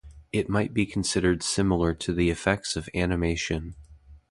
It might be considered similar to the effects of animation.